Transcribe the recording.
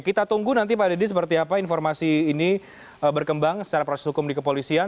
kita tunggu nanti pak deddy seperti apa informasi ini berkembang secara proses hukum di kepolisian